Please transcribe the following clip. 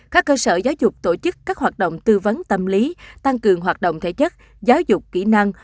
các cơ sở giáo dục tổ chức các hoạt động tư vấn tâm lý tăng cường hoạt động thể chất giáo dục kỹ năng